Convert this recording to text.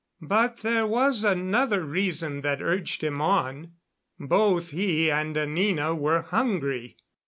But there was another reason that urged him on. Both he and Anina were hungry.